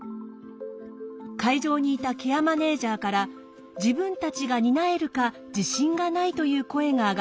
会場にいたケアマネージャーから自分たちが担えるか自信がないという声があがりました。